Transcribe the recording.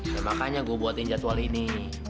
ya makanya gue buatin jadwal ini